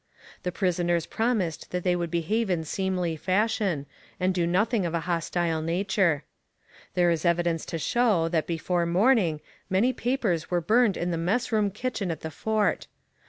The prisoners promised that they would behave in seemly fashion, and do nothing of a hostile nature. There is evidence to show that before morning many papers were burned in the mess room kitchen at the fort.